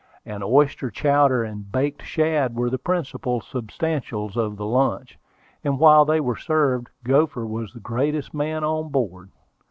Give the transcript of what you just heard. An oyster chowder and baked shad were the principal substantials of the lunch; and while they were served, Gopher was the greatest man on board.